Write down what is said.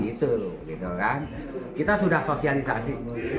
itu gitu kan kita sudah sosialisasi